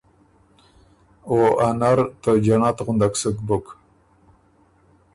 او ا نر يې بو ته جنت غُندک سُک بُک